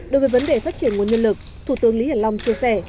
đối với vấn đề phát triển nguồn nhân lực thủ tướng lý hiển long chia sẻ